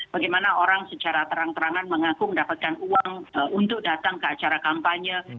bagaimana orang secara terang terangan mengaku mendapatkan uang untuk datang ke acara kampanye